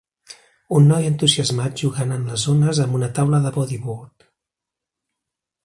Un noi entusiasmat jugant en les ones amb una taula de bodyboard.